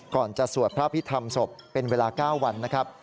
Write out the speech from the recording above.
ก่อนจะสวดพระพิธรรมศพเป็นเวลา๙วันนะครับ